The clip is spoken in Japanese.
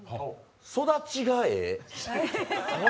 育ちがええ。